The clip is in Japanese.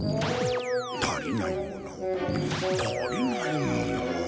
足りないもの足りないもの。